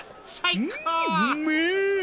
うめえ！